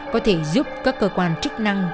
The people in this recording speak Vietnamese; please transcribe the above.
có thể giúp các cơ quan trích năng